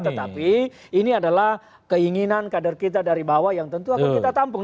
tetapi ini adalah keinginan kader kita dari bawah yang tentu akan kita tampung